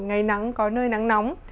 ngày nắng có nơi nắng nóng